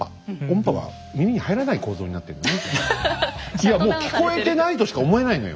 いやもう聞こえてないとしか思えないのよ。